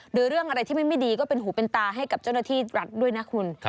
หรือเรื่องอะไรที่ไม่ดีก็เป็นหูเป็นตาให้กับเจ้าหน้าที่รัฐด้วยนะคุณ